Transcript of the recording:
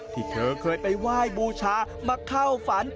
ที่เธอเคยไปไหว้บูชามาเข้าฝัน